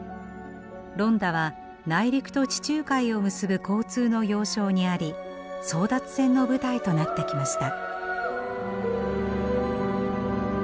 ロンダは内陸と地中海を結ぶ交通の要衝にあり争奪戦の舞台となってきました。